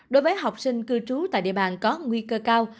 đối với học sinh cư trú tại địa bàn có nguy cơ cao